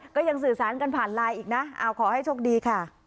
ก็ยังสื่อสารกันผ่านไลน์อีกนะขอให้โชคดีค่ะ